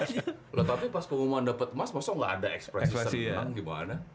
tapi pas keumuman dapat emas masa nggak ada ekspresi sering menang gimana